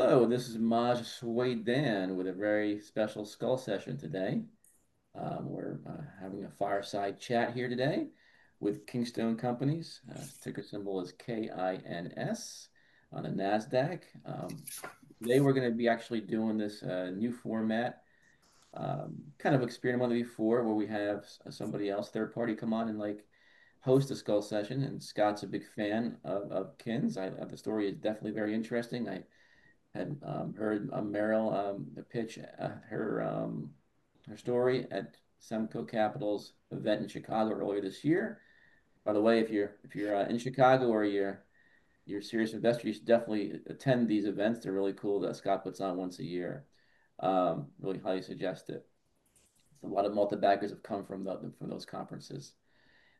Hello, this is Maj Soueidan with a very special Skull Session today. We're having a fireside chat here today with Kingstone Companies. Ticker symbol is KINS on the NASDAQ. Today we're going to be actually doing this new format, kind of experiment before where we have somebody else, third party, come on and like host a Skull session. And Scott's a big fan of Kins. The story is definitely very interesting. I had heard Meryl pitch her story at Samco Capital's event in Chicago earlier this year. By the way, if you're in Chicago or you're serious investors, you should definitely attend these events. They're really cool. Scott puts on once a year. Really highly suggest it. A lot of multi-baggers have come from those conferences.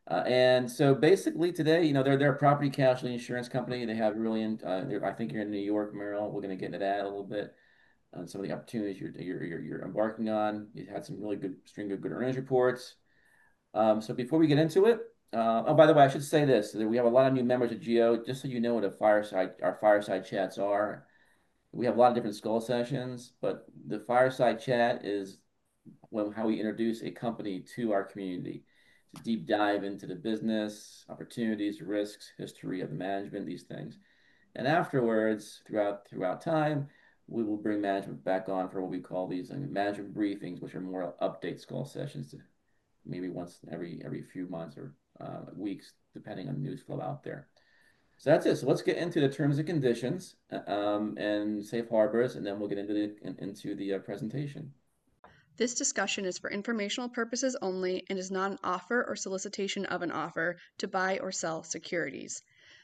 And so basically today, you know, they're a property casualty insurance company. They have really, I think, you're in New York, Meryl. We're going to get into that a little bit and some of the opportunities you're embarking on. You had some really good string of good earnings reports. So before we get into it, oh, by the way, I should say this: we have a lot of new members at GEO. Just so you know what our fireside chats are, we have a lot of different Skull Sessions, but the fireside chat is how we introduce a company to our community. It's a deep dive into the business, opportunities, risks, history of management, these things, and afterwards, throughout time, we will bring management back on for what we call these management briefings, which are more update Skull Sessions to maybe once every few months or weeks, depending on the news flow out there. So that's it. So let's get into the terms and conditions and Safe Harbors, and then we'll get into the presentation. This discussion is for informational purposes only and is not an offer or solicitation of an offer to buy or sell securities.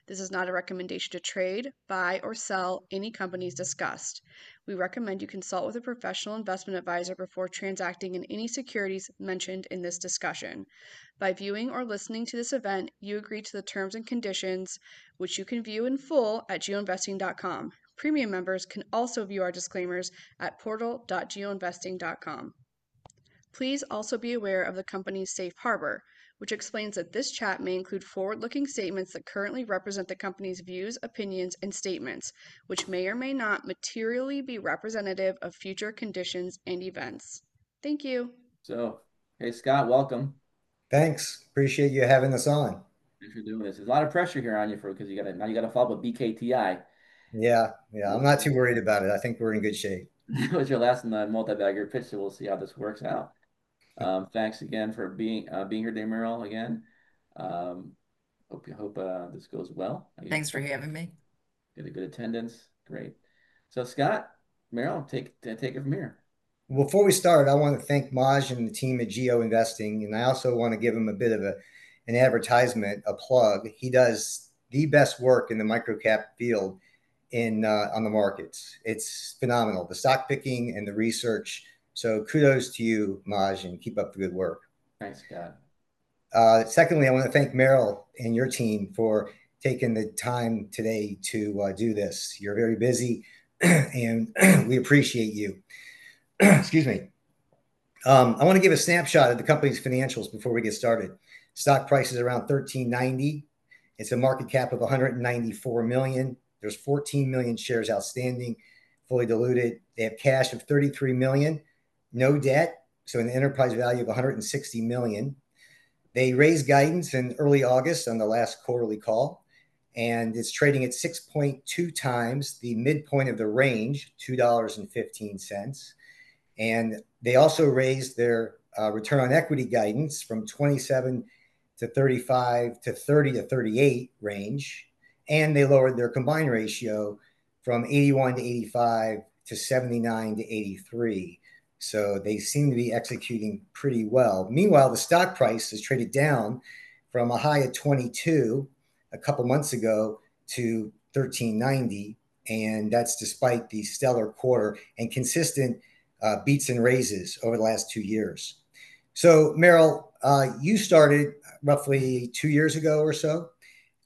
This is not a recommendation to trade, buy, or sell any companies discussed. We recommend you consult with a professional investment advisor before transacting in any securities mentioned in this discussion. By viewing or listening to this event, you agree to the terms and conditions, which you can view in full at geoinvesting.com. Premium members can also view our disclaimers at portal.geoinvesting.com. Please also be aware of the company's safe harbor, which explains that this chat may include forward-looking statements that currently represent the company's views, opinions, and statements, which may or may not materially be representative of future conditions and events. Thank you. Hey, Scott, welcome. Thanks. Appreciate you having us on. Thanks for doing this. There's a lot of pressure here on you because you got to follow up with BKTI. Yeah, yeah. I'm not too worried about it. I think we're in good shape. With your last multi-bagger pitch, we'll see how this works out. Thanks again for being here, Meryl, again. Hope this goes well. Thanks for having me. Good attendance. Great, so Scott, Meryl, take it from here. Before we start, I want to thank Maj and the team at GeoInvesting, and I also want to give him a bit of an advertisement, a plug. He does the best work in the microcap field on the markets. It's phenomenal, the stock picking and the research, so kudos to you, Maj, and keep up the good work. Thanks, Scott. Secondly, I want to thank Meryl and your team for taking the time today to do this. You're very busy, and we appreciate you. Excuse me. I want to give a snapshot of the company's financials before we get started. Stock price is around $13.90. It's a market cap of $194 million. There's 14 million shares outstanding, fully diluted. They have cash of $33 million, no debt, so an enterprise value of $160 million. They raised guidance in early August on the last quarterly call, and it's trading at 6.2 times the midpoint of the range, $2.15. They also raised their return on equity guidance from 27%-35% to 30%-38% range. They lowered their combined ratio from 81%-85% to 79%-83%. They seem to be executing pretty well. Meanwhile, the stock price has traded down from a high of $22 a couple of months ago to $1.39. And that's despite the stellar quarter and consistent beats and raises over the last two years. So Meryl, you started roughly two years ago or so.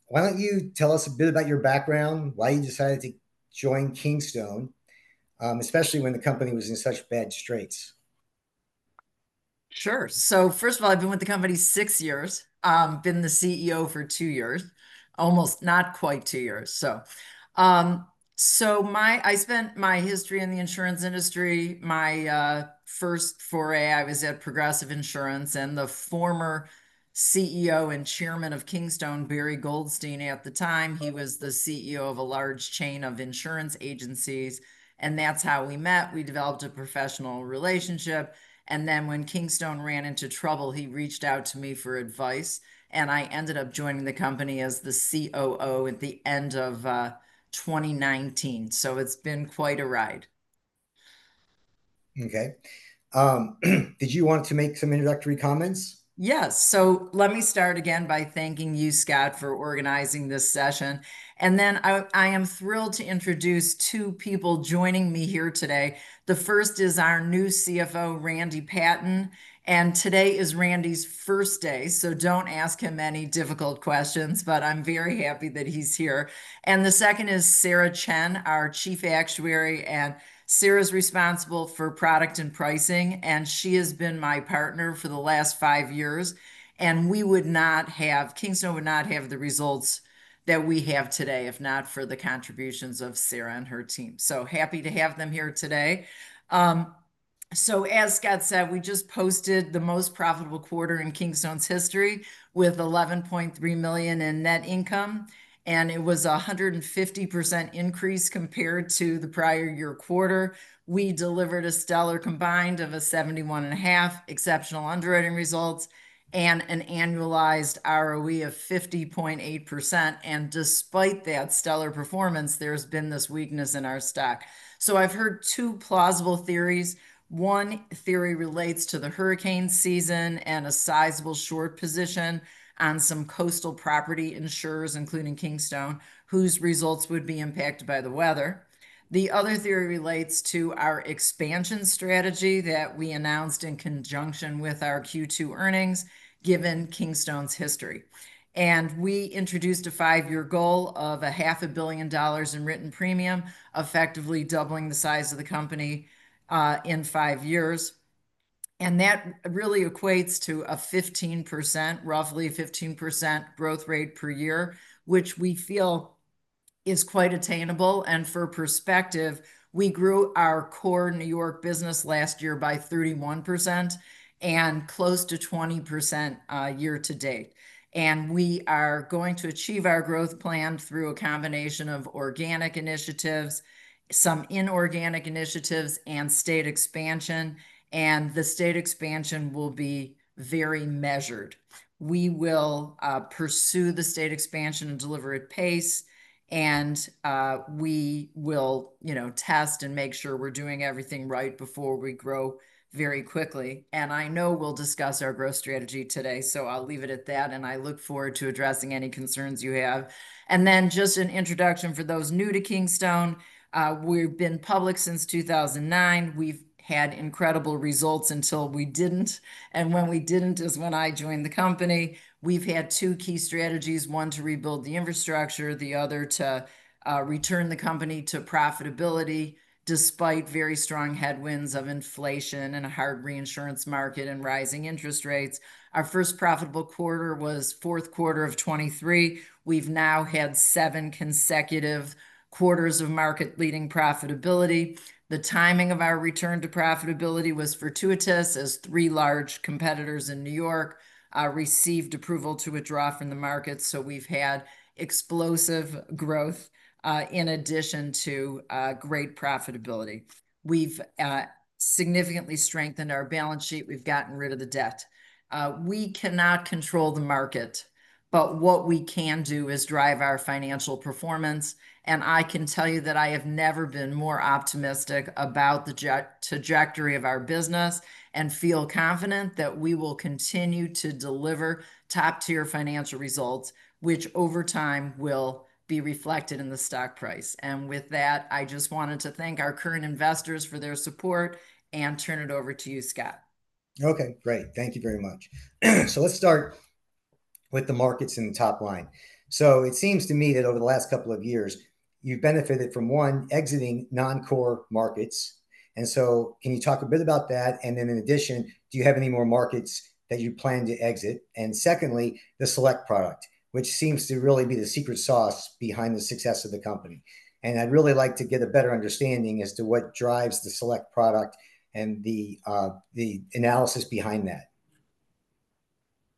Why don't you tell us a bit about your background, why you decided to join Kingstone, especially when the company was in such bad straits? Sure, so first of all, I've been with the company six years. I've been the CEO for two years, almost not quite two years, so I spent my history in the insurance industry. My first foray, I was at Progressive Insurance and the former CEO and chairman of Kingstone, Barry Goldstein, at the time. He was the CEO of a large chain of insurance agencies. And that's how we met. We developed a professional relationship. And then when Kingstone ran into trouble, he reached out to me for advice, and I ended up joining the company as the COO at the end of 2019, so it's been quite a ride. Okay. Did you want to make some introductory comments? Yes. So let me start again by thanking you, Scott, for organizing this session. And then I am thrilled to introduce two people joining me here today. The first is our new CFO, Randy Patton. And today is Randy's first day, so don't ask him any difficult questions, but I'm very happy that he's here. And the second is Sarah Chen, our Chief Actuary. And Sarah's responsible for product and pricing, and she has been my partner for the last five years. And Kingstone would not have the results that we have today if not for the contributions of Sarah and her team. So happy to have them here today. So as Scott said, we just posted the most profitable quarter in Kingstone's history with $11.3 million in net income. And it was a 150% increase compared to the prior year quarter. We delivered a stellar combined ratio of 71.5, exceptional underwriting results, and an annualized ROE of 50.8%. Despite that stellar performance, there's been this weakness in our stock. I've heard two plausible theories. One theory relates to the hurricane season and a sizable short position on some coastal property insurers, including Kingstone, whose results would be impacted by the weather. The other theory relates to our expansion strategy that we announced in conjunction with our Q2 earnings, given Kingstone's history. We introduced a five-year goal of $500 million in written premium, effectively doubling the size of the company in five years. That really equates to a 15%, roughly 15% growth rate per year, which we feel is quite attainable. For perspective, we grew our core New York business last year by 31% and close to 20% year to date. And we are going to achieve our growth plan through a combination of organic initiatives, some inorganic initiatives, and state expansion. And the state expansion will be very measured. We will pursue the state expansion at a deliberate pace, and we will test and make sure we're doing everything right before we grow very quickly. And I know we'll discuss our growth strategy today, so I'll leave it at that. And I look forward to addressing any concerns you have. And then just an introduction for those new to Kingstone. We've been public since 2009. We've had incredible results until we didn't. And when we didn't is when I joined the company. We've had two key strategies: one to rebuild the infrastructure, the other to return the company to profitability despite very strong headwinds of inflation and a hard reinsurance market and rising interest rates. Our first profitable quarter was fourth quarter of 2023. We've now had seven consecutive quarters of market-leading profitability. The timing of our return to profitability was fortuitous as three large competitors in New York received approval to withdraw from the market. So we've had explosive growth in addition to great profitability. We've significantly strengthened our balance sheet. We've gotten rid of the debt. We cannot control the market, but what we can do is drive our financial performance. And I can tell you that I have never been more optimistic about the trajectory of our business and feel confident that we will continue to deliver top-tier financial results, which over time will be reflected in the stock price. And with that, I just wanted to thank our current investors for their support and turn it over to you, Scott. Okay, great. Thank you very much. So let's start with the markets in the top line. So it seems to me that over the last couple of years, you've benefited from, one, exiting non-core markets. And so can you talk a bit about that? And then in addition, do you have any more markets that you plan to exit? And secondly, the select product, which seems to really be the secret sauce behind the success of the company. And I'd really like to get a better understanding as to what drives the select product and the analysis behind that.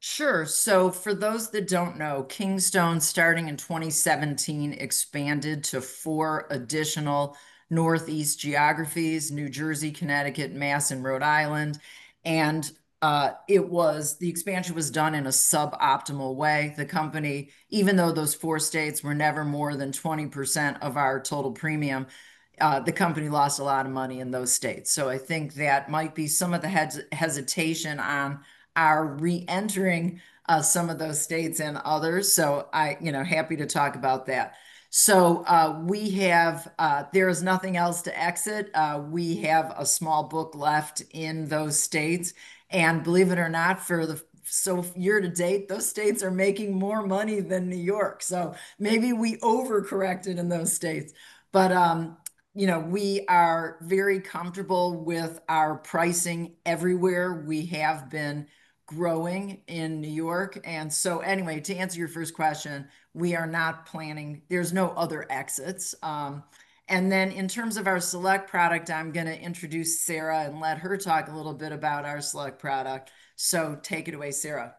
Sure. So for those that don't know, Kingstone, starting in 2017, expanded to four additional northeast geographies: New Jersey, Connecticut, Mass, and Rhode Island. And the expansion was done in a suboptimal way. The company, even though those four states were never more than 20% of our total premium, the company lost a lot of money in those states. So I think that might be some of the hesitation on our re-entering some of those states and others. So I'm happy to talk about that. So there is nothing else to exit. We have a small book left in those states. And believe it or not, so year to date, those states are making more money than New York. So maybe we overcorrected in those states. But we are very comfortable with our pricing everywhere. We have been growing in New York. And so anyway, to answer your first question, we are not planning. There's no other exits. And then in terms of our Select product, I'm going to introduce Sarah and let her talk a little bit about our Select product. So take it away, Sarah.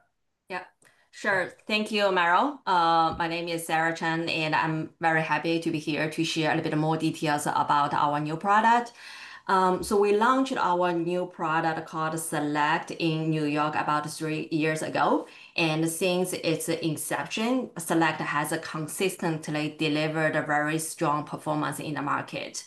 Yep. Sure. Thank you, Meryl. My name is Sarah Chen, and I'm very happy to be here to share a little bit more details about our new product. We launched our new product called Select in New York about three years ago. Since its inception, Select has consistently delivered a very strong performance in the market.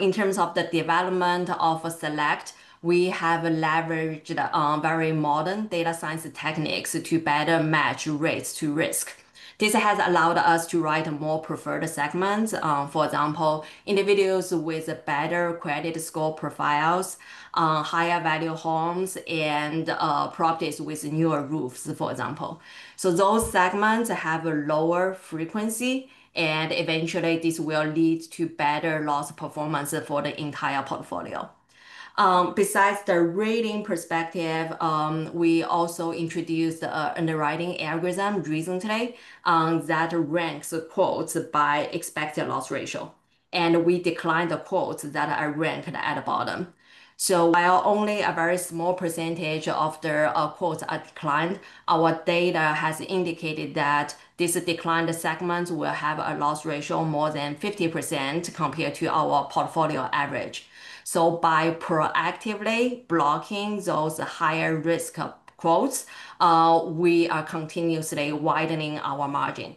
In terms of the development of Select, we have leveraged very modern data science techniques to better match rates to risk. This has allowed us to write more preferred segments, for example, individuals with better credit score profiles, higher value homes, and properties with newer roofs, for example. Those segments have a lower frequency, and eventually, this will lead to better loss performance for the entire portfolio. Besides the rating perspective, we also introduced an underwriting algorithm recently that ranks quotes by expected loss ratio. We declined the quotes that are ranked at the bottom. So while only a very small percentage of the quotes are declined, our data has indicated that these declined segments will have a loss ratio of more than 50% compared to our portfolio average. So by proactively blocking those higher risk quotes, we are continuously widening our margin.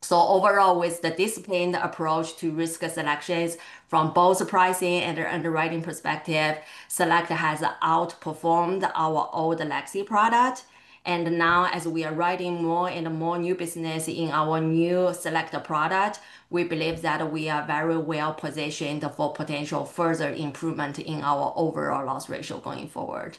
So overall, with the disciplined approach to risk selections from both pricing and underwriting perspective, Select has outperformed our old legacy product. And now, as we are writing more and more new business in our new Select product, we believe that we are very well positioned for potential further improvement in our overall loss ratio going forward.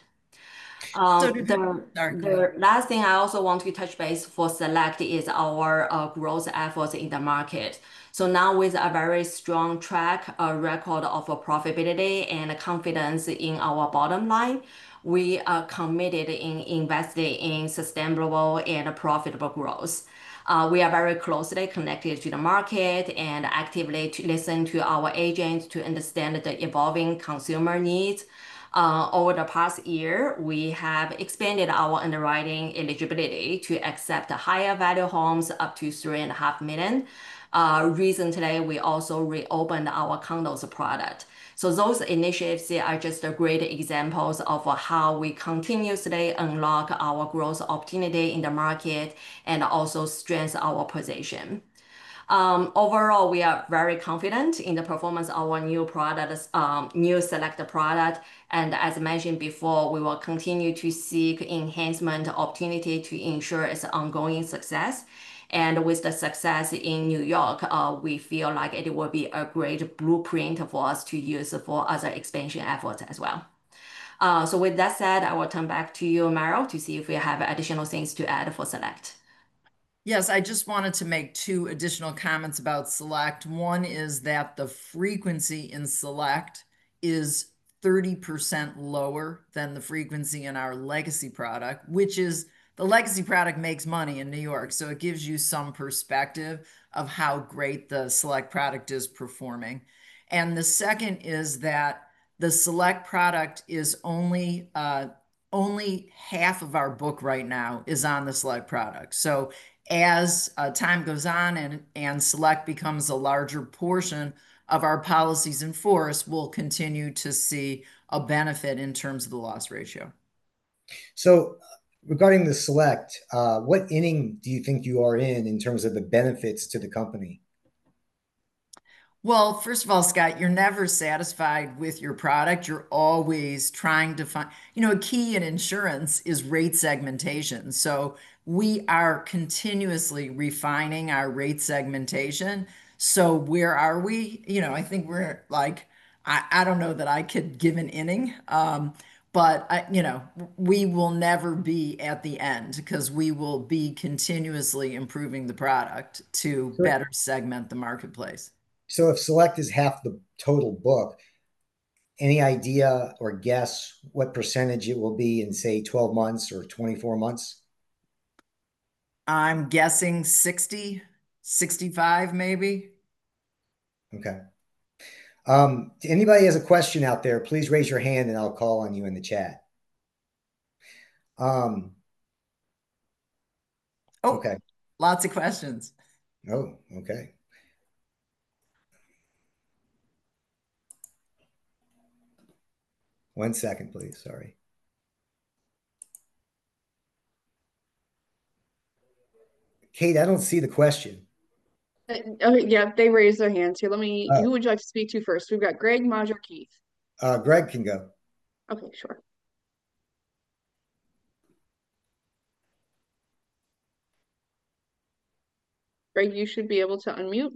The last thing I also want to touch base for Select is our growth efforts in the market. So now, with a very strong track record of profitability and confidence in our bottom line, we are committed in investing in sustainable and profitable growth. We are very closely connected to the market and actively listen to our agents to understand the evolving consumer needs. Over the past year, we have expanded our underwriting eligibility to accept higher value homes up to $3.5 million. Recently, we also reopened our condos product. So those initiatives are just great examples of how we continuously unlock our growth opportunity in the market and also strengthen our position. Overall, we are very confident in the performance of our new Select product. And as mentioned before, we will continue to seek enhancement opportunity to ensure its ongoing success. And with the success in New York, we feel like it will be a great blueprint for us to use for other expansion efforts as well. So with that said, I will turn back to you, Meryl, to see if we have additional things to add for Select. Yes, I just wanted to make two additional comments about Select. One is that the frequency in Select is 30% lower than the frequency in our legacy product, which is, the legacy product makes money in New York. So it gives you some perspective of how great the Select product is performing. And the second is that only half of our book right now is on the Select product. So as time goes on and Select becomes a larger portion of our policies in force, we'll continue to see a benefit in terms of the loss ratio. So regarding the Select, what inning do you think you are in in terms of the benefits to the company? First of all, Scott, you're never satisfied with your product. You're always trying to find a key in insurance is rate segmentation. So we are continuously refining our rate segmentation. So where are we? I think we're like, I don't know that I could give an inning, but we will never be at the end because we will be continuously improving the product to better segment the marketplace. So if Select is half the total book, any idea or guess what percentage it will be in, say, 12 months or 24 months? I'm guessing 60, 65, maybe. Okay. If anybody has a question out there, please raise your hand and I'll call on you in the chat. Oh, lots of questions. Oh, okay. One second, please. Sorry. Kate, I don't see the question. Yeah, they raised their hand too. Who would you like to speak to first? We've got Greg, Maj, Keith. Greg can go. Okay, sure. Greg, you should be able to unmute.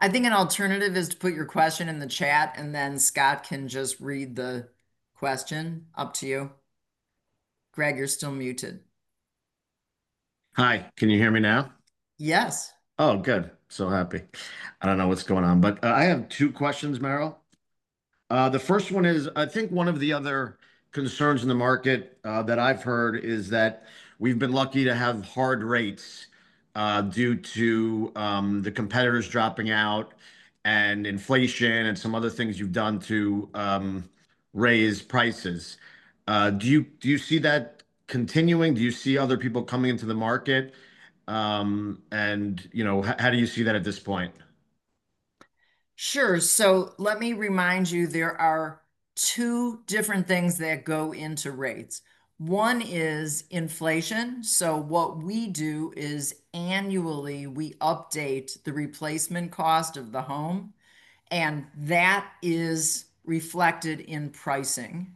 I think an alternative is to put your question in the chat, and then Scott can just read the question. Up to you. Greg, you're still muted. Hi, can you hear me now? Yes. Oh, good. So happy. I don't know what's going on, but I have two questions, Meryl. The first one is, I think one of the other concerns in the market that I've heard is that we've been lucky to have hard rates due to the competitors dropping out and inflation and some other things you've done to raise prices. Do you see that continuing? Do you see other people coming into the market? And how do you see that at this point? Sure. So let me remind you, there are two different things that go into rates. One is inflation. So what we do is annually, we update the replacement cost of the home, and that is reflected in pricing.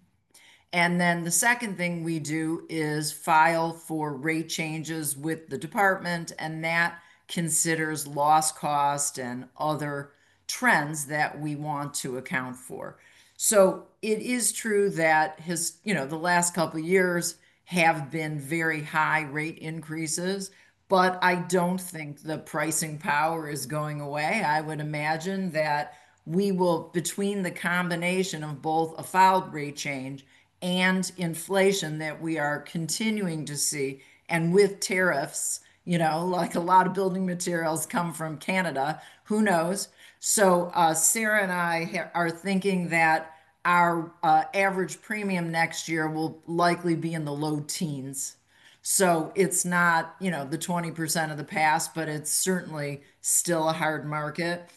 And then the second thing we do is file for rate changes with the department, and that considers loss cost and other trends that we want to account for. So it is true that the last couple of years have been very high rate increases, but I don't think the pricing power is going away. I would imagine that we will, between the combination of both a file rate change and inflation that we are continuing to see, and with tariffs, like a lot of building materials come from Canada, who knows? So Sarah and I are thinking that our average premium next year will likely be in the low teens. So it's not the 20% of the past, but it's certainly still a hard market.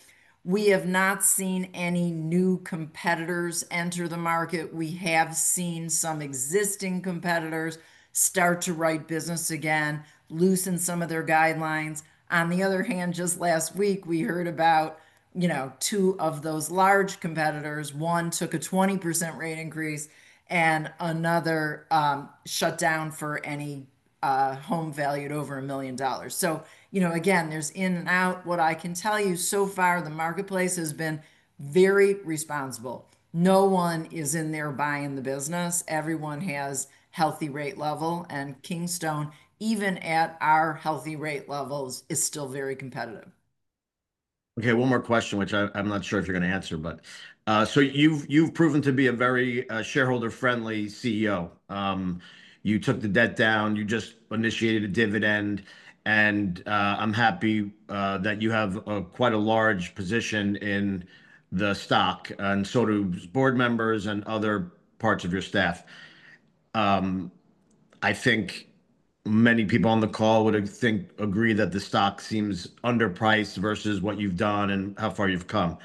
We have not seen any new competitors enter the market. We have seen some existing competitors start to write business again, loosen some of their guidelines. On the other hand, just last week, we heard about two of those large competitors. One took a 20% rate increase, and another shut down for any home valued over a million dollars. So again, there's in and out. What I can tell you so far, the marketplace has been very responsible. No one is in there buying the business. Everyone has healthy rate level. And Kingstone, even at our healthy rate levels, is still very competitive. Okay, one more question, which I'm not sure if you're going to answer, but so you've proven to be a very shareholder-friendly CEO. You took the debt down. You just initiated a dividend. And I'm happy that you have quite a large position in the stock and sort of board members and other parts of your staff. I think many people on the call would agree that the stock seems underpriced versus what you've done and how far you've come.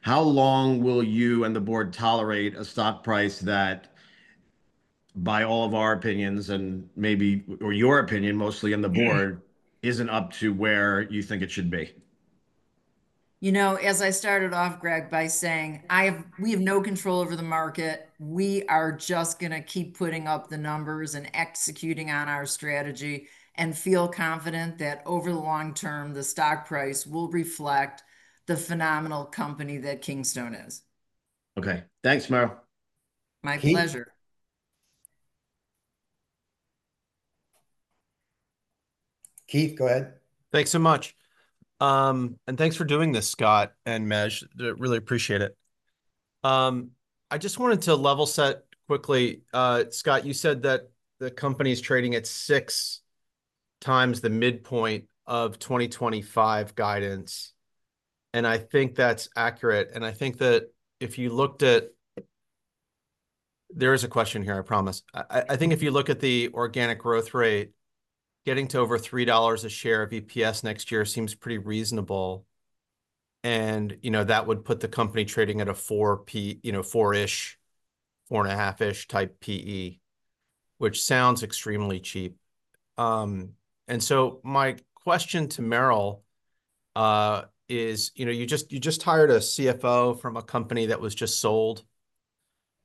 How long will you and the board tolerate a stock price that, by all of our opinions and maybe your opinion mostly on the board, isn't up to where you think it should be? You know, as I started off, Greg, by saying we have no control over the market. We are just going to keep putting up the numbers and executing on our strategy and feel confident that over the long term, the stock price will reflect the phenomenal company that Kingstone is. Okay. Thanks, Meryl. My pleasure. Keith, go ahead. Thanks so much. And thanks for doing this, Scott and Maj. Really appreciate it. I just wanted to level set quickly. Scott, you said that the company is trading at six times the midpoint of 2025 guidance. And I think that's accurate. And I think that if you looked at, there is a question here, I promise. I think if you look at the organic growth rate, getting to over $3 a share of EPS next year seems pretty reasonable. And that would put the company trading at a four-ish, four and a half-ish type PE, which sounds extremely cheap. And so my question to Meryl is, you just hired a CFO from a company that was just sold.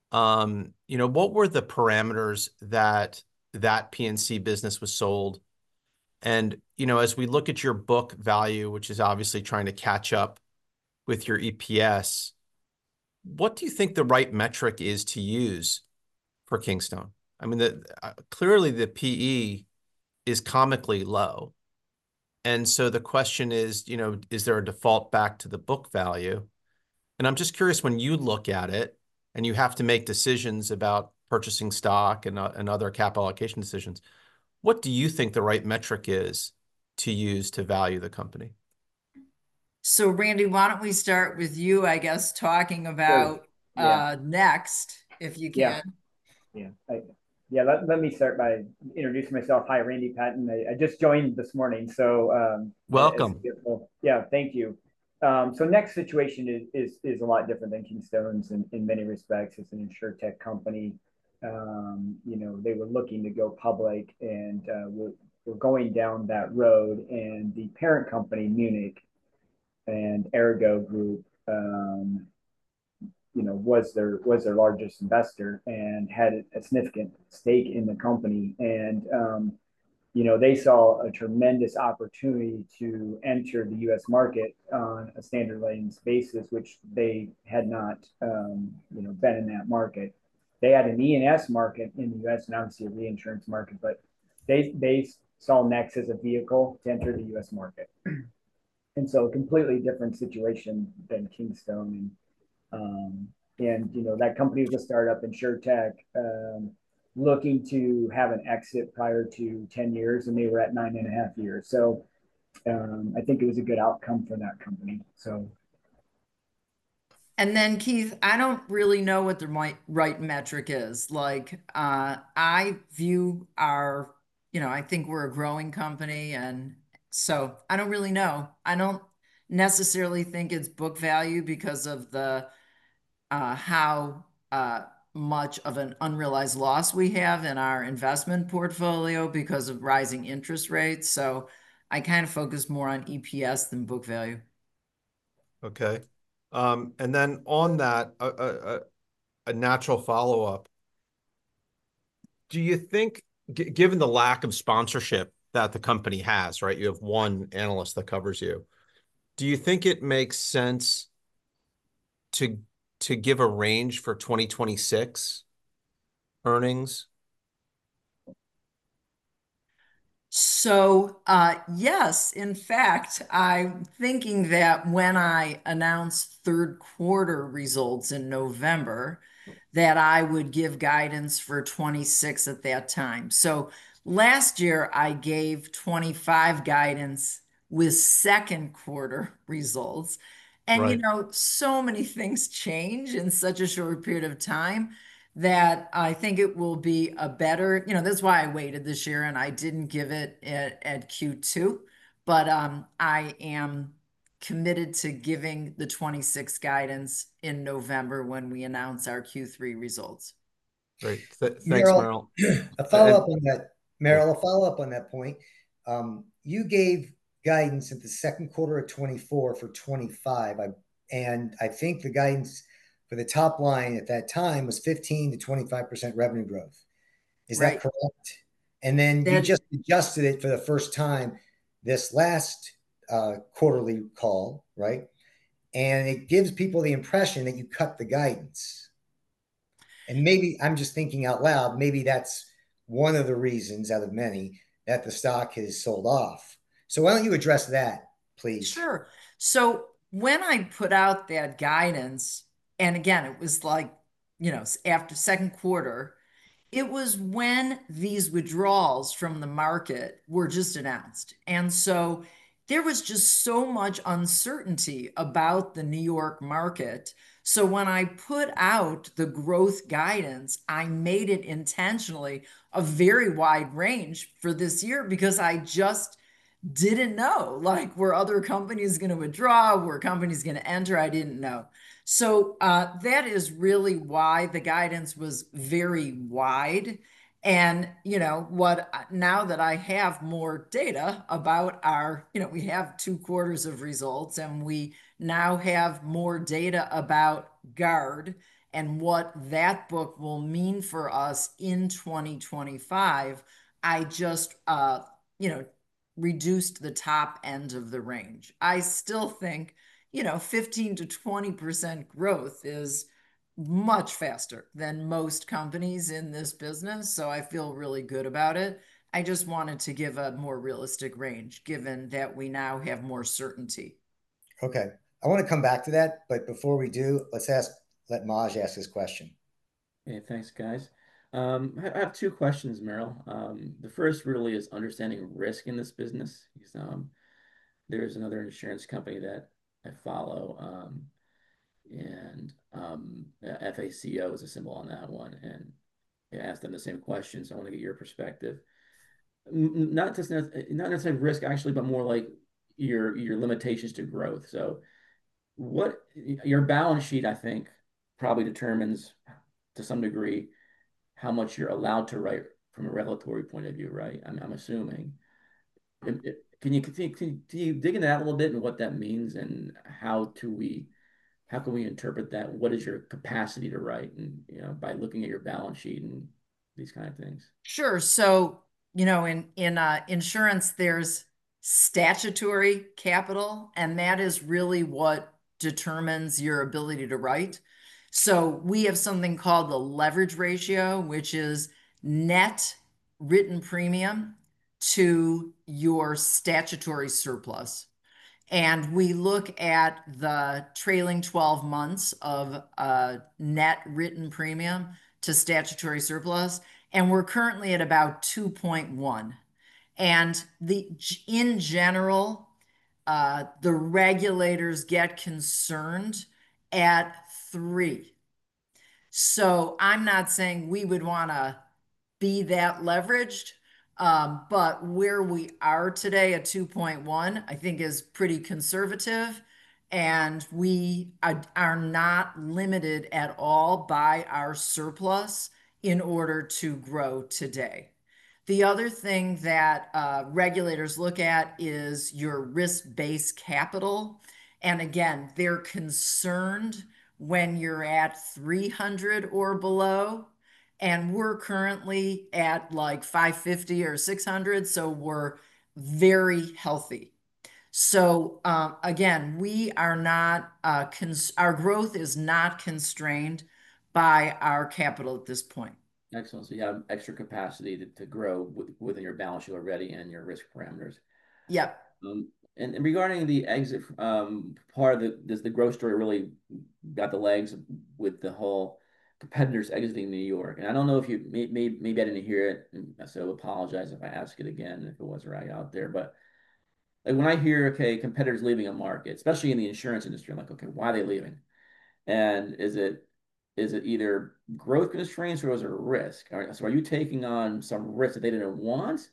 What were the parameters that that P&C business was sold? And as we look at your book value, which is obviously trying to catch up with your EPS, what do you think the right metric is to use for Kingstone? I mean, clearly, the PE is comically low. And so the question is, is there a default back to the book value? And I'm just curious, when you look at it and you have to make decisions about purchasing stock and other capital allocation decisions, what do you think the right metric is to use to value the company? Randy, why don't we start with you, I guess, talking about Next, if you can? Let me start by introducing myself. Hi, Randy Patton. I just joined this morning, so. Welcome. Yeah. Thank you. So next situation is a lot different than Kingstone's in many respects. It's an insurtech company. They were looking to go public, and we're going down that road. And the parent company, Munich Re and ERGO Group, was their largest investor and had a significant stake in the company. And they saw a tremendous opportunity to enter the U.S. market on a standard lines basis, which they had not been in that market. They had an E&S market in the U.S. and obviously a reinsurance market, but they saw Next as a vehicle to enter the U.S. market. And so a completely different situation than Kingstone. And that company was a startup insurtech looking to have an exit prior to 10 years, and they were at nine and a half years. So I think it was a good outcome for that company, so. Then, Keith, I don't really know what the right metric is. I view our, I think we're a growing company. So I don't really know. I don't necessarily think it's book value because of how much of an unrealized loss we have in our investment portfolio because of rising interest rates. So I kind of focus more on EPS than book value. Okay. And then on that, a natural follow-up. Do you think, given the lack of sponsorship that the company has, right? You have one analyst that covers you. Do you think it makes sense to give a range for 2026 earnings? Yes. In fact, I'm thinking that when I announce third quarter results in November, that I would give guidance for 2026 at that time. Last year, I gave 2025 guidance with second quarter results. And so many things change in such a short period of time that I think it will be a better. That's why I waited this year, and I didn't give it at Q2. But I am committed to giving the 2026 guidance in November when we announce our Q3 results. Great. Thanks, Meryl. Meryl, a follow-up on that point. You gave guidance at the second quarter of 2024 for 2025. And I think the guidance for the top line at that time was 15%-25% revenue growth. Is that correct? And then you just adjusted it for the first time this last quarterly call, right? And it gives people the impression that you cut the guidance. And maybe I'm just thinking out loud, maybe that's one of the reasons out of many that the stock has sold off. So why don't you address that, please? Sure. So when I put out that guidance, and again, it was like after second quarter, it was when these withdrawals from the market were just announced. And so there was just so much uncertainty about the New York market. So when I put out the growth guidance, I made it intentionally a very wide range for this year because I just didn't know where other companies were going to withdraw, where companies were going to enter. I didn't know. So that is really why the guidance was very wide. And now that I have more data about our. We have two quarters of results, and we now have more data about AmGUARD and what that book will mean for us in 2025, I just reduced the top end of the range. I still think 15%-20% growth is much faster than most companies in this business. So I feel really good about it. I just wanted to give a more realistic range given that we now have more certainty. Okay. I want to come back to that, but before we do, let's ask, let Maj ask his question. Hey, thanks, guys. I have two questions, Meryl. The first really is understanding risk in this business. There's another insurance company that I follow, and FACO is a symbol on that one. And I asked them the same questions. I want to get your perspective. Not necessarily risk, actually, but more like your limitations to growth. So your balance sheet, I think, probably determines to some degree how much you're allowed to write from a regulatory point of view, right? I'm assuming. Can you dig into that a little bit and what that means and how can we interpret that? What is your capacity to write by looking at your balance sheet and these kinds of things? Sure. So in insurance, there's statutory capital, and that is really what determines your ability to write. So we have something called the leverage ratio, which is net written premium to your statutory surplus. And we look at the trailing 12 months of net written premium to statutory surplus, and we're currently at about 2.1. And in general, the regulators get concerned at 3. So I'm not saying we would want to be that leveraged, but where we are today at 2.1, I think, is pretty conservative, and we are not limited at all by our surplus in order to grow today. The other thing that regulators look at is your risk-based capital. And again, they're concerned when you're at 300 or below. And we're currently at like 550 or 600, so we're very healthy. So again, our growth is not constrained by our capital at this point. Excellent. So you have extra capacity to grow within your balance sheet already and your risk parameters. Yep. Regarding the exit part, does the growth story really got the legs with the whole competitors exiting New York? I don't know if you maybe I didn't hear it, so apologize if I ask it again if it was right out there. When I hear, okay, competitors leaving a market, especially in the insurance industry, I'm like, okay, why are they leaving? Is it either growth constraints or is it risk? Are you taking on some risk that they didn't want,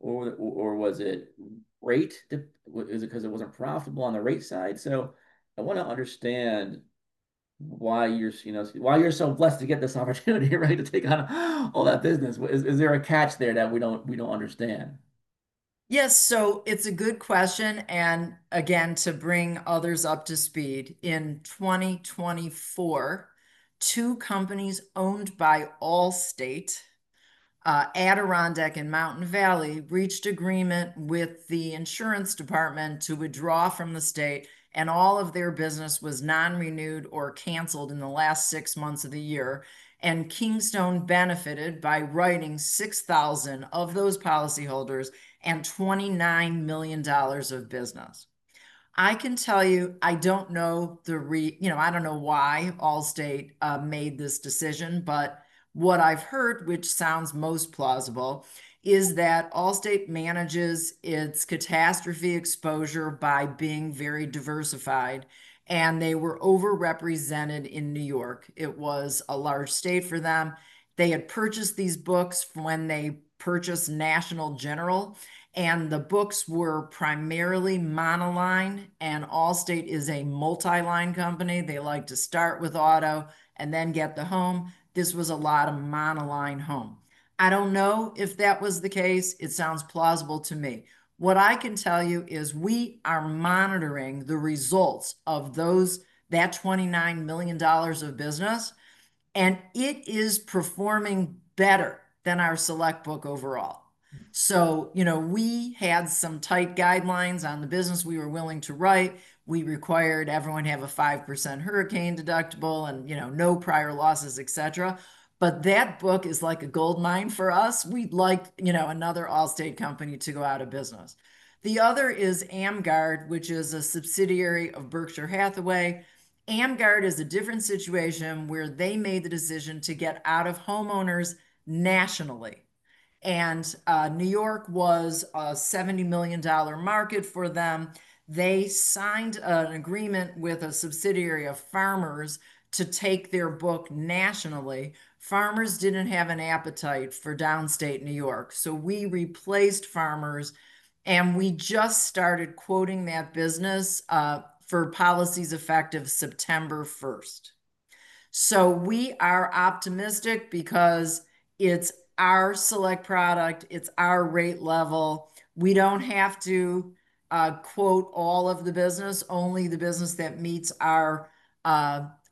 or was it rate? Is it because it wasn't profitable on the rate side? I want to understand why you're so blessed to get this opportunity, right, to take on all that business. Is there a catch there that we don't understand? Yes. So it's a good question, and again, to bring others up to speed, in 2024, two companies owned by Allstate, Adirondack, and Mountain Valley reached agreement with the insurance department to withdraw from the state, and all of their business was non-renewed or canceled in the last six months of the year, and Kingstone benefited by writing 6,000 of those policyholders and $29 million of business. I can tell you, I don't know why Allstate made this decision, but what I've heard, which sounds most plausible, is that Allstate manages its catastrophe exposure by being very diversified, and they were overrepresented in New York. It was a large state for them. They had purchased these books when they purchased National General, and the books were primarily monoline, and Allstate is a multi-line company. They like to start with auto and then get the home. This was a lot of monoline home. I don't know if that was the case. It sounds plausible to me. What I can tell you is we are monitoring the results of that $29 million of business, and it is performing better than our Select book overall, so we had some tight guidelines on the business we were willing to write. We required everyone to have a 5% hurricane deductible and no prior losses, etc., but that book is like a gold mine for us. We'd like another Allstate company to go out of business. The other is AmGUARD, which is a subsidiary of Berkshire Hathaway. AmGUARD is a different situation where they made the decision to get out of homeowners nationally, and New York was a $70 million market for them. They signed an agreement with a subsidiary of Farmers to take their book nationally. Farmers didn't have an appetite for downstate New York. So we replaced Farmers, and we just started quoting that business for policies effective September 1st. So we are optimistic because it's our Select product. It's our rate level. We don't have to quote all of the business, only the business that meets our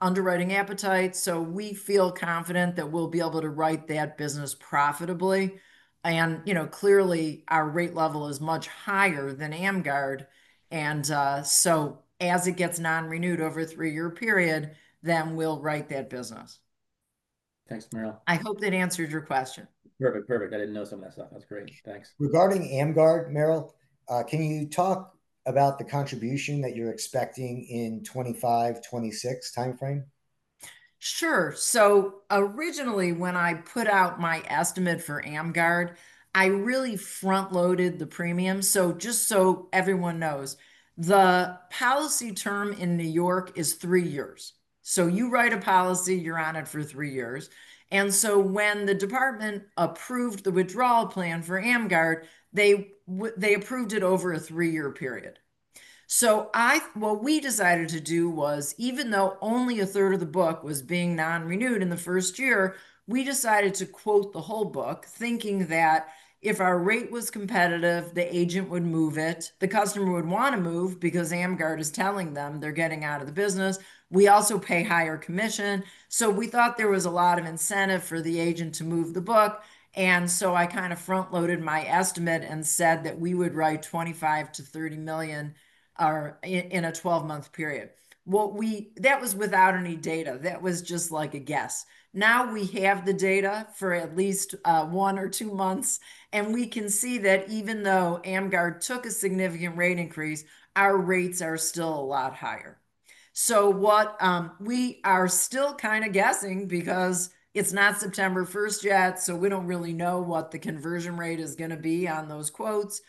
underwriting appetite. So we feel confident that we'll be able to write that business profitably. And clearly, our rate level is much higher than AmGUARD. And so as it gets non-renewed over a three-year period, then we'll write that business. Thanks, Meryl. I hope that answers your question. Perfect. Perfect. I didn't know some of that stuff. That's great. Thanks. Regarding AmGUARD, Meryl, can you talk about the contribution that you're expecting in 2025, 2026 timeframe? Sure. So originally, when I put out my estimate for AmGUARD, I really front-loaded the premium. So just so everyone knows, the policy term in New York is three years. So you write a policy, you're on it for three years. And so when the department approved the withdrawal plan for AmGUARD, they approved it over a three-year period. So what we decided to do was, even though only a third of the book was being non-renewed in the first year, we decided to quote the whole book, thinking that if our rate was competitive, the agent would move it. The customer would want to move because AmGUARD is telling them they're getting out of the business. We also pay higher commission. So we thought there was a lot of incentive for the agent to move the book. I kind of front-loaded my estimate and said that we would write $25-$30 million in a 12-month period. That was without any data. That was just like a guess. Now we have the data for at least one or two months, and we can see that even though AmGUARD took a significant rate increase, our rates are still a lot higher. So we are still kind of guessing because it's not September 1st yet, so we don't really know what the conversion rate is going to be on those quotes.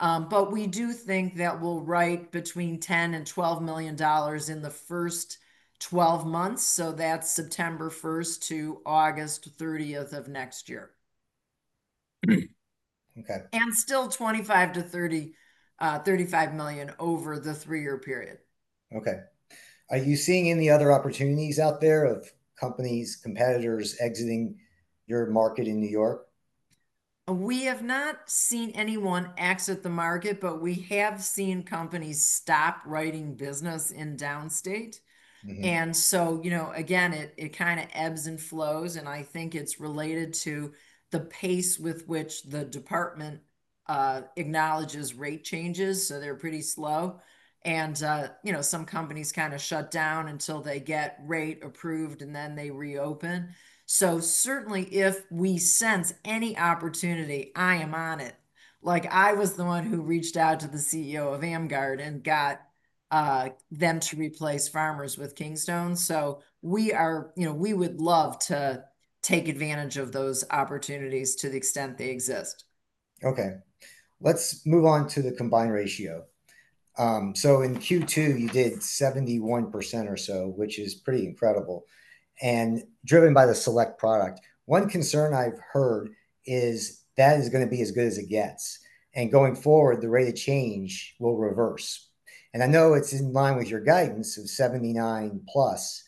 But we do think that we'll write between $10-$12 million in the first 12 months. So that's September 1st to August 30th of next year. And still $25-$35 million over the three-year period. Okay. Are you seeing any other opportunities out there of companies, competitors exiting your market in New York? We have not seen anyone exit the market, but we have seen companies stop writing business in downstate. And so again, it kind of ebbs and flows, and I think it's related to the pace with which the department acknowledges rate changes. So they're pretty slow. And some companies kind of shut down until they get rate approved, and then they reopen. So certainly, if we sense any opportunity, I am on it. I was the one who reached out to the CEO of AmGUARD and got them to replace Farmers with Kingstone. So we would love to take advantage of those opportunities to the extent they exist. Okay. Let's move on to the Combined Ratio. So in Q2, you did 71% or so, which is pretty incredible and driven by the Select product. One concern I've heard is that is going to be as good as it gets. And going forward, the rate of change will reverse. And I know it's in line with your guidance of 79% plus,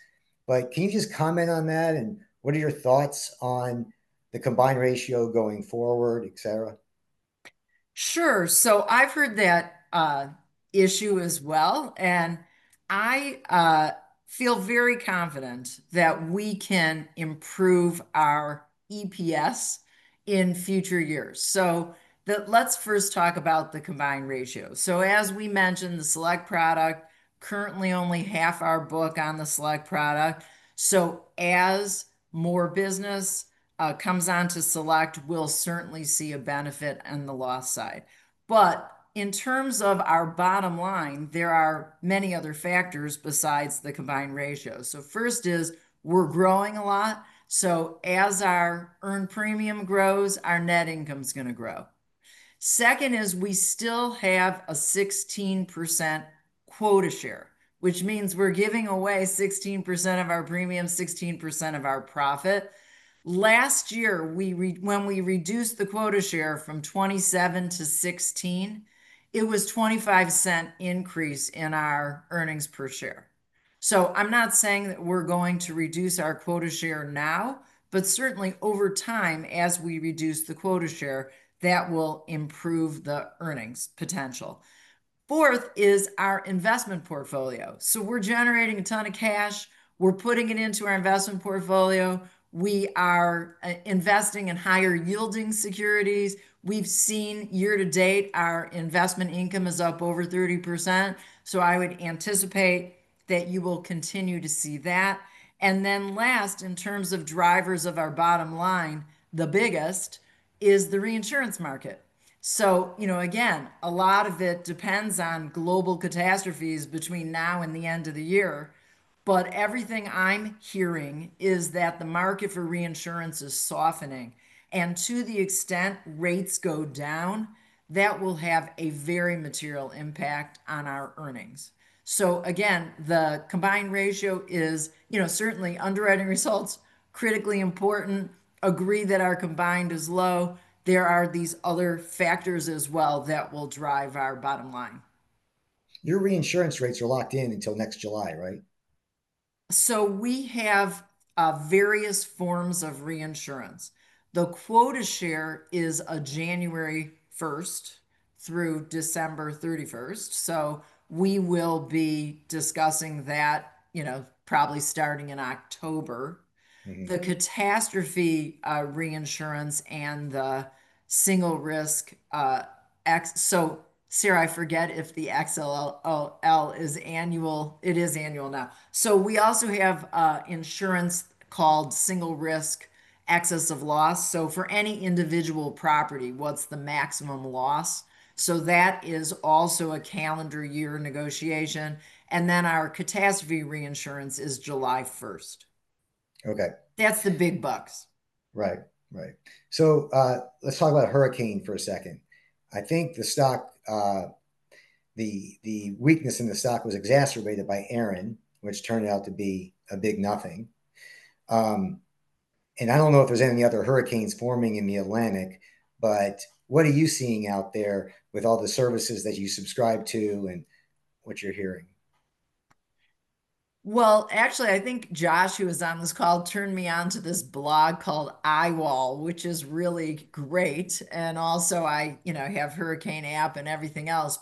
but can you just comment on that? And what are your thoughts on the Combined Ratio going forward, etc.? Sure. So I've heard that issue as well. And I feel very confident that we can improve our EPS in future years. So let's first talk about the combined ratio. So as we mentioned, the Select product, currently only half our book on the Select product. So as more business comes on to Select, we'll certainly see a benefit on the loss side. But in terms of our bottom line, there are many other factors besides the combined ratio. So first is we're growing a lot. So as our earned premium grows, our net income is going to grow. Second is we still have a 16% quota share, which means we're giving away 16% of our premium, 16% of our profit. Last year, when we reduced the quota share from 27% to 16%, it was a $0.25 increase in our earnings per share. So I'm not saying that we're going to reduce our quota share now, but certainly over time, as we reduce the quota share, that will improve the earnings potential. Fourth is our investment portfolio. So we're generating a ton of cash. We're putting it into our investment portfolio. We are investing in higher-yielding securities. We've seen year to date, our investment income is up over 30%. So I would anticipate that you will continue to see that. And then last, in terms of drivers of our bottom line, the biggest is the reinsurance market. So again, a lot of it depends on global catastrophes between now and the end of the year. But everything I'm hearing is that the market for reinsurance is softening. And to the extent rates go down, that will have a very material impact on our earnings. So, again, the combined ratio is certainly underwriting results, critically important. I agree that our combined is low. There are these other factors as well that will drive our bottom line. Your reinsurance rates are locked in until next July, right? So we have various forms of reinsurance. The quota share is January 1st through December 31st. So we will be discussing that probably starting in October. The catastrophe reinsurance and the single risk. So Sarah, I forget if the XoL is annual. It is annual now. So we also have insurance called single risk, excess of loss. So for any individual property, what's the maximum loss? So that is also a calendar year negotiation. And then our catastrophe reinsurance is July 1st. That's the big bucks. Right. Right. So let's talk about hurricane for a second. I think the weakness in the stock was exacerbated by Irma, which turned out to be a big nothing. And I don't know if there's any other hurricanes forming in the Atlantic, but what are you seeing out there with all the services that you subscribe to and what you're hearing? Actually, I think Josh, who is on this call, turned me on to this blog called Eyewall, which is really great. I have Hurricane app and everything else.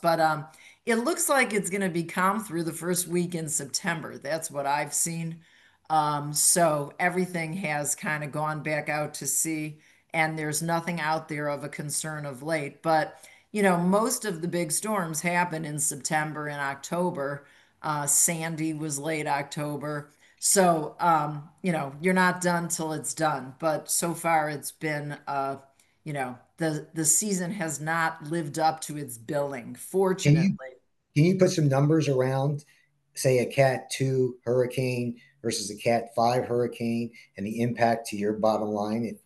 It looks like it's going to be calm through the first week in September. That's what I've seen. Everything has kind of gone back out to sea, and there's nothing out there of concern of late. Most of the big storms happen in September and October. Sandy was late October. You're not done till it's done. So far, the season has not lived up to its billing, fortunately. Can you put some numbers around, say, a Cat 2 hurricane versus a Cat 5 hurricane and the impact to your bottom line if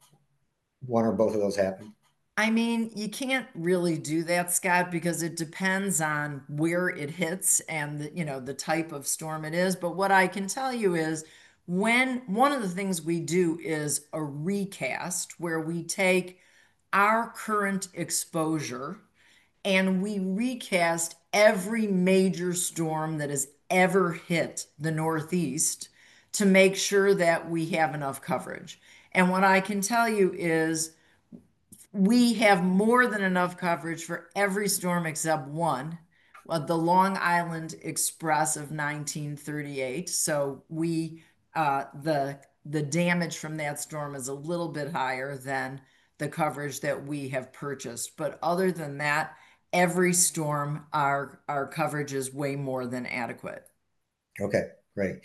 one or both of those happen? I mean, you can't really do that, Scott, because it depends on where it hits and the type of storm it is. But what I can tell you is one of the things we do is a recast where we take our current exposure and we recast every major storm that has ever hit the Northeast to make sure that we have enough coverage. And what I can tell you is we have more than enough coverage for every storm except one, the Long Island Express of 1938. So the damage from that storm is a little bit higher than the coverage that we have purchased. But other than that, every storm, our coverage is way more than adequate. Okay. Great.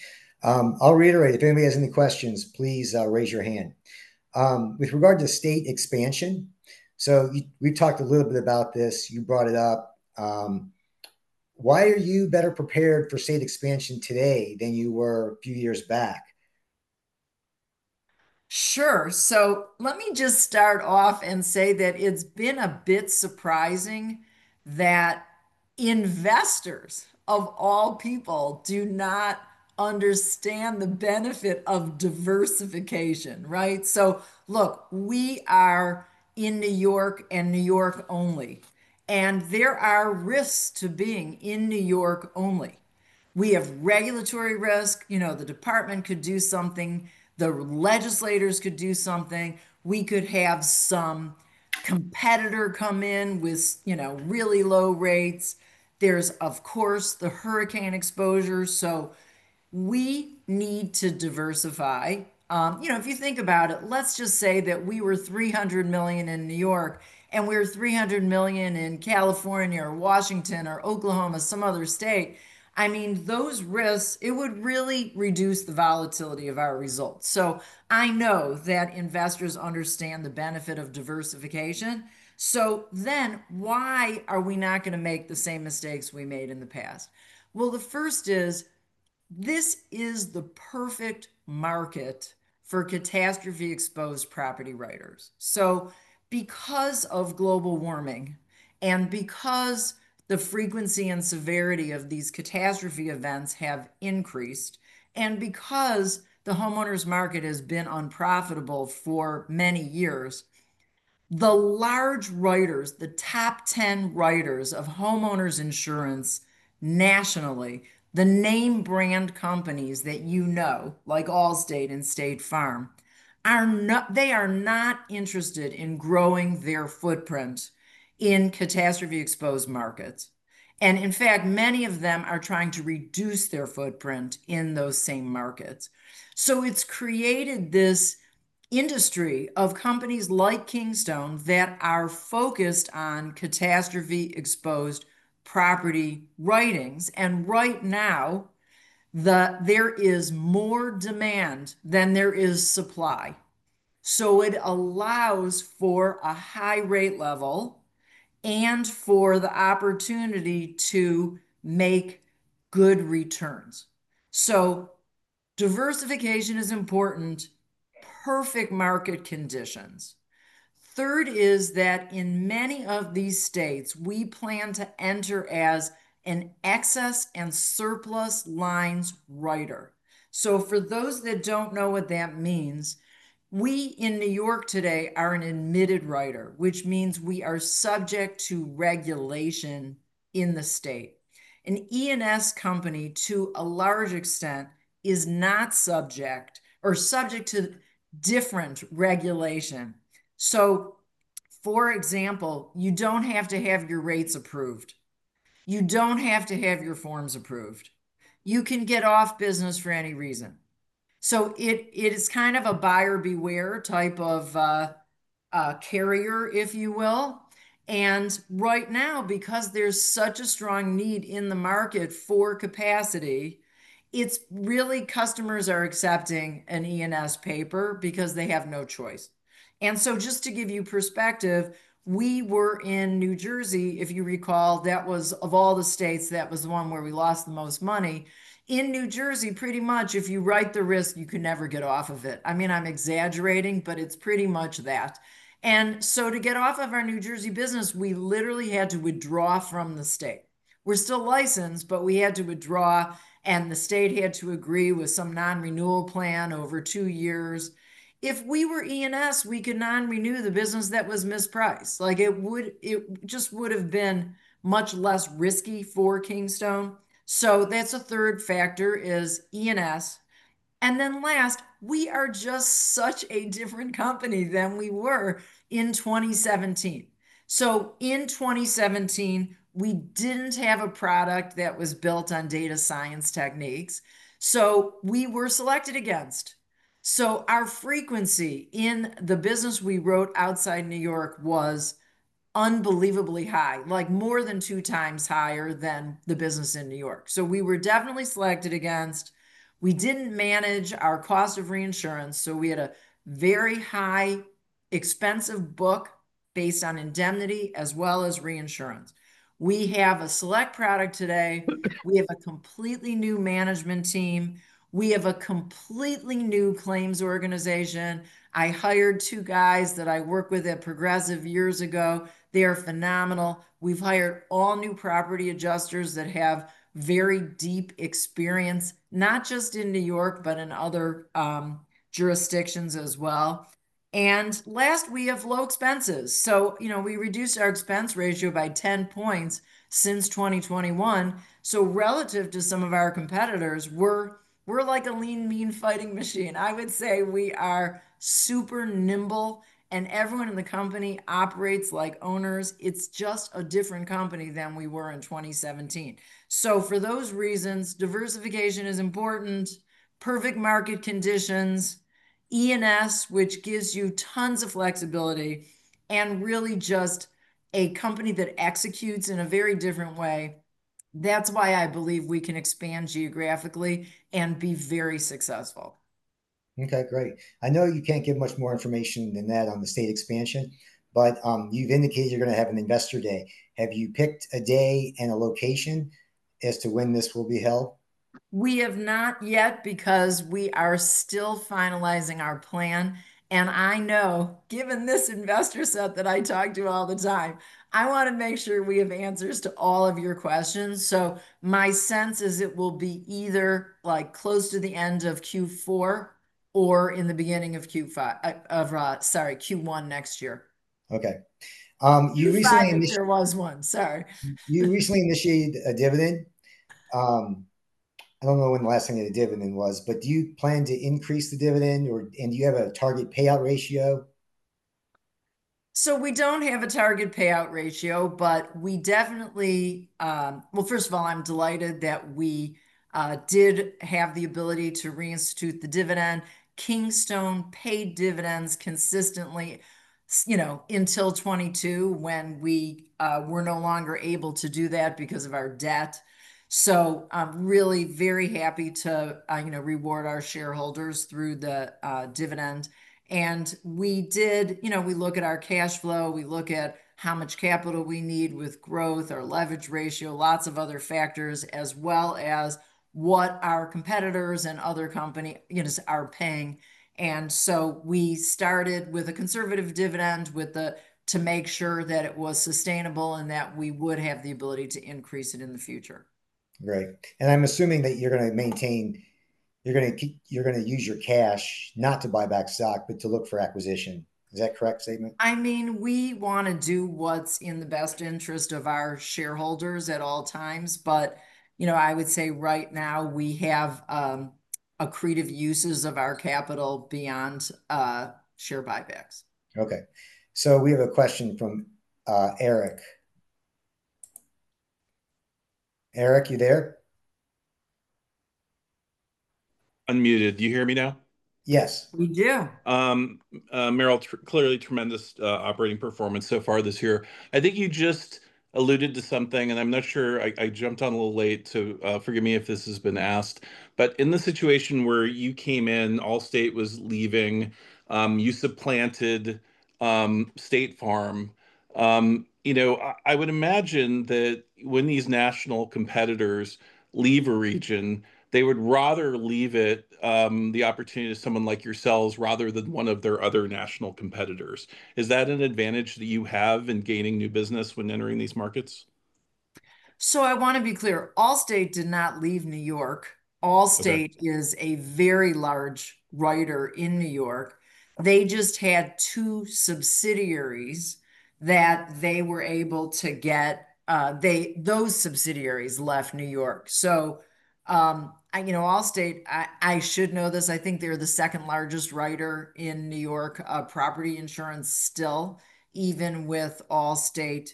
I'll reiterate. If anybody has any questions, please raise your hand. With regard to state expansion, so we've talked a little bit about this. You brought it up. Why are you better prepared for state expansion today than you were a few years back? Sure. So let me just start off and say that it's been a bit surprising that investors, of all people, do not understand the benefit of diversification, right? So look, we are in New York and New York only. And there are risks to being in New York only. We have regulatory risk. The department could do something. The legislators could do something. We could have some competitor come in with really low rates. There's, of course, the hurricane exposure. So we need to diversify. If you think about it, let's just say that we were $300 million in New York, and we're $300 million in California or Washington or Oklahoma, some other state. I mean, those risks, it would really reduce the volatility of our results. So I know that investors understand the benefit of diversification. So then why are we not going to make the same mistakes we made in the past? Well, the first is this is the perfect market for catastrophe-exposed property writers. So because of global warming and because the frequency and severity of these catastrophe events have increased and because the homeowners market has been unprofitable for many years, the large writers, the top 10 writers of homeowners insurance nationally, the name brand companies that you know, like Allstate and State Farm, they are not interested in growing their footprint in catastrophe-exposed markets. And in fact, many of them are trying to reduce their footprint in those same markets. So it's created this industry of companies like Kingstone that are focused on catastrophe-exposed property writings. And right now, there is more demand than there is supply. So it allows for a high rate level and for the opportunity to make good returns. So diversification is important, perfect market conditions. Third is that in many of these states, we plan to enter as an excess and surplus lines writer. So for those that don't know what that means, we in New York today are an admitted writer, which means we are subject to regulation in the state. An E&S company, to a large extent, is not subject or subject to different regulation. So for example, you don't have to have your rates approved. You don't have to have your forms approved. You can get off business for any reason. So it's kind of a buyer beware type of carrier, if you will. And right now, because there's such a strong need in the market for capacity, really customers are accepting an E&S paper because they have no choice. And so just to give you perspective, we were in New Jersey, if you recall, that was of all the states, that was the one where we lost the most money. In New Jersey, pretty much, if you write the risk, you can never get off of it. I mean, I'm exaggerating, but it's pretty much that. And so to get off of our New Jersey business, we literally had to withdraw from the state. We're still licensed, but we had to withdraw, and the state had to agree with some non-renewal plan over two years. If we were E&S, we could non-renew the business that was mispriced. It just would have been much less risky for Kingstone. So that's a third factor is E&S. And then last, we are just such a different company than we were in 2017. So in 2017, we didn't have a product that was built on data science techniques. So we were selected against. So our frequency in the business we wrote outside New York was unbelievably high, like more than two times higher than the business in New York. So we were definitely selected against. We didn't manage our cost of reinsurance, so we had a very high expensive book based on indemnity as well as reinsurance. We have a Select product today. We have a completely new management team. We have a completely new claims organization. I hired two guys that I worked with at Progressive years ago. They are phenomenal. We've hired all new property adjusters that have very deep experience, not just in New York, but in other jurisdictions as well. And last, we have low expenses. So we reduced our expense ratio by 10 points since 2021. So relative to some of our competitors, we're like a lean mean fighting machine. I would say we are super nimble, and everyone in the company operates like owners. It's just a different company than we were in 2017. So for those reasons, diversification is important, perfect market conditions, E&S, which gives you tons of flexibility, and really just a company that executes in a very different way. That's why I believe we can expand geographically and be very successful. Okay. Great. I know you can't give much more information than that on the state expansion, but you've indicated you're going to have an investor day. Have you picked a day and a location as to when this will be held? We have not yet because we are still finalizing our plan. And I know, given this investor set that I talk to all the time, I want to make sure we have answers to all of your questions. So my sense is it will be either close to the end of Q4 or in the beginning of Q1 next year. Okay. You recently. I thought there was one. Sorry. You recently initiated a dividend. I don't know when the last time you had a dividend was, but do you plan to increase the dividend, and do you have a target payout ratio? So we don't have a target payout ratio, but we definitely, well, first of all, I'm delighted that we did have the ability to reinstitute the dividend. Kingstone paid dividends consistently until 2022 when we were no longer able to do that because of our debt. So really very happy to reward our shareholders through the dividend. And we look at our cash flow. We look at how much capital we need with growth or leverage ratio, lots of other factors, as well as what our competitors and other companies are paying. And so we started with a conservative dividend to make sure that it was sustainable and that we would have the ability to increase it in the future. Right. And I'm assuming that you're going to maintain you're going to use your cash not to buy back stock, but to look for acquisition. Is that a correct statement? I mean, we want to do what's in the best interest of our shareholders at all times. But I would say right now, we have accretive uses of our capital beyond share buybacks. Okay. So we have a question from Eric. Eric, you there? Unmuted. Do you hear me now? Yes. We do. Meryl, clearly tremendous operating performance so far this year. I think you just alluded to something, and I'm not sure. I jumped on a little late, so forgive me if this has been asked. But in the situation where you came in, Allstate was leaving, you supplanted State Farm. I would imagine that when these national competitors leave a region, they would rather leave it the opportunity to someone like yourselves rather than one of their other national competitors. Is that an advantage that you have in gaining new business when entering these markets? So I want to be clear. Allstate did not leave New York. Allstate is a very large writer in New York. They just had two subsidiaries that they were able to get those subsidiaries left New York. So Allstate, I should know this. I think they're the second largest writer in New York property insurance still, even with Allstate,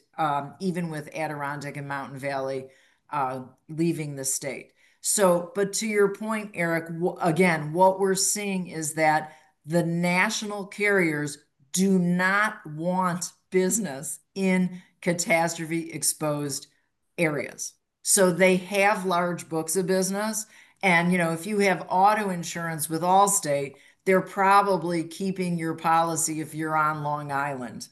even with Adirondack and Mountain Valley leaving the state. But to your point, Eric, again, what we're seeing is that the national carriers do not want business in catastrophe-exposed areas. So they have large books of business. And if you have auto insurance with Allstate, they're probably keeping your policy if you're on Long Island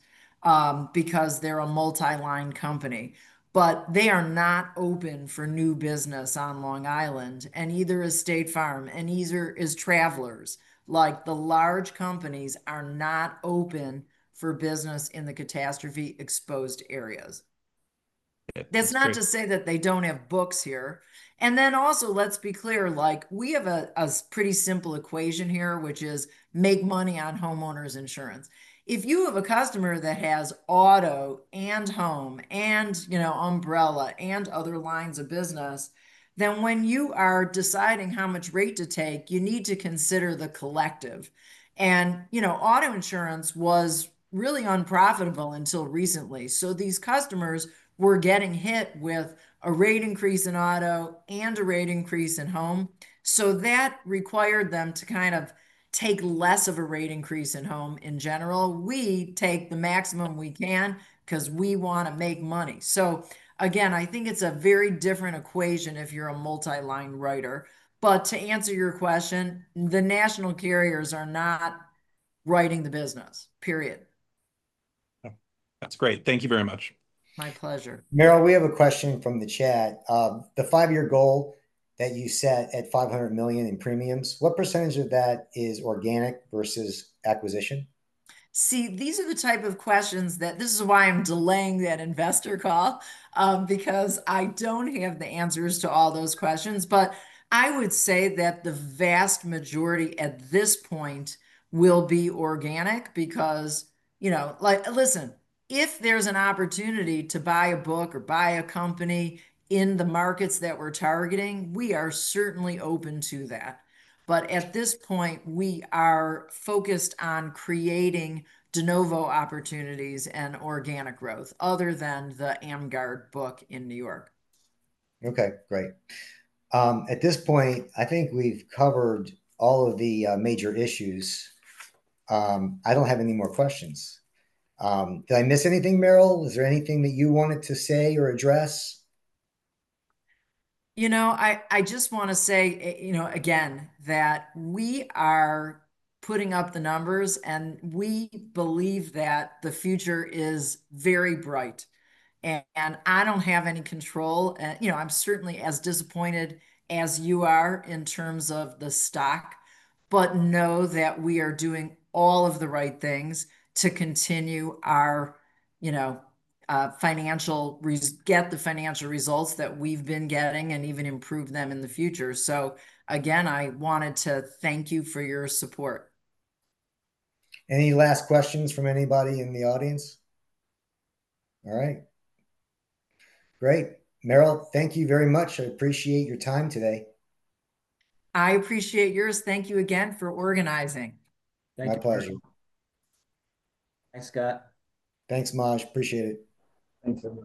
because they're a multi-line company. But they are not open for new business on Long Island. And neither is State Farm. And neither is Travelers. The large companies are not open for business in the catastrophe-exposed areas. That's not to say that they don't have books here, and then also, let's be clear. We have a pretty simple equation here, which is make money on homeowners insurance. If you have a customer that has auto and home and umbrella and other lines of business, then when you are deciding how much rate to take, you need to consider the collective, and auto insurance was really unprofitable until recently, so these customers were getting hit with a rate increase in auto and a rate increase in home, so that required them to kind of take less of a rate increase in home in general. We take the maximum we can because we want to make money, so again, I think it's a very different equation if you're a multi-line writer. But to answer your question, the national carriers are not writing the business, period. That's great. Thank you very much. My pleasure. Meryl, we have a question from the chat. The five-year goal that you set at $500 million in premiums, what percentage of that is organic versus acquisition? See, these are the type of questions that this is why I'm delaying that investor call because I don't have the answers to all those questions. But I would say that the vast majority at this point will be organic because listen, if there's an opportunity to buy a book or buy a company in the markets that we're targeting, we are certainly open to that. But at this point, we are focused on creating de novo opportunities and organic growth other than the AmGUARD book in New York. Okay. Great. At this point, I think we've covered all of the major issues. I don't have any more questions. Did I miss anything, Meryl? Is there anything that you wanted to say or address? I just want to say, again, that we are putting up the numbers, and we believe that the future is very bright. I don't have any control. I'm certainly as disappointed as you are in terms of the stock, but know that we are doing all of the right things to continue to get the financial results that we've been getting and even improve them in the future. Again, I wanted to thank you for your support. Any last questions from anybody in the audience? All right. Great. Meryl, thank you very much. I appreciate your time today. I appreciate yours. Thank you again for organizing. Thank you. My pleasure. Thanks, Scott. Thanks, Maj. Appreciate it. Thank you.